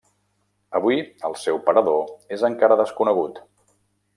Avui el seu parador és encara desconegut.